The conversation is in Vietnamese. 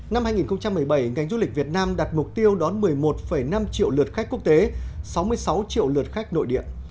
năm hai nghìn một mươi bảy ngành du lịch việt nam đặt mục tiêu đón một mươi một năm triệu lượt khách quốc tế sáu mươi sáu triệu lượt khách nội địa